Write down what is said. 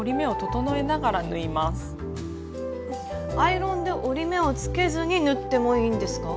アイロンで折り目をつけずに縫ってもいいんですか？